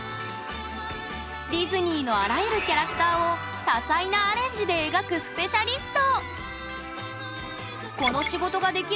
ディズニーのあらゆるキャラクターを多彩なアレンジで描くスペシャリスト！